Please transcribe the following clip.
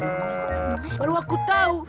baru aku tahu